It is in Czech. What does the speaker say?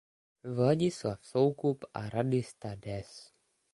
Vladislav Soukup a radista des.